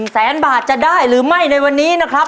แสนบาทจะได้หรือไม่ในวันนี้นะครับ